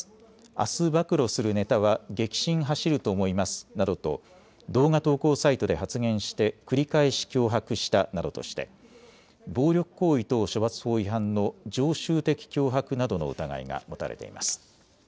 あす暴露するネタは激震走ると思いますなどと動画投稿サイトで発言して繰り返し脅迫したなどとして暴力行為等処罰法違反の常習的脅迫などの疑いが持たれています。